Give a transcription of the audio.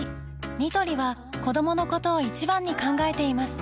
ニトリは子どものことを一番に考えています